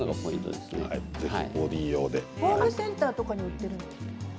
ホームセンターとかに売っているんですか？